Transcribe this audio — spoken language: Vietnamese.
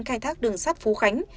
khai thác đường sắt phú khánh